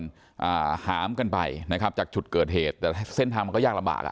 อ่าหามกันไปนะครับจากจุดเกิดเหตุแต่เส้นทางมันก็ยากลำบากอ่ะ